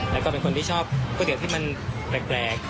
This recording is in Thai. แล้วก็เป็นคนที่ชอบก๋วยเตี๋ยวที่มันแปลก